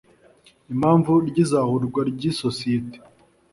impamvu ry’izahurwa ry’isosiyete